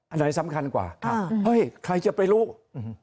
อันไหนสำคัญกว่าครับเฮ้ยใครจะไปรู้อืม